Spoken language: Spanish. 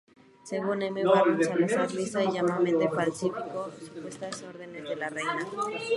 Según M. Barros, Salazar lisa y llanamente falsificó supuestas órdenes de la reina.